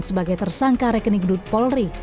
sebagai tersangka rekening dut polri